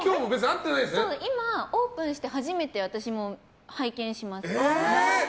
今オープンして初めて私も拝見します。